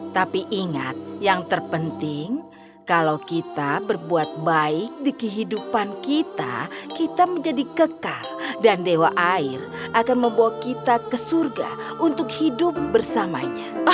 tapi ingat yang terpenting kalau kita berbuat baik di kehidupan kita kita menjadi kekal dan dewa air akan membawa kita ke surga untuk hidup bersamanya